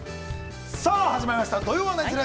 さあ始まりました「土曜はナニする！？」。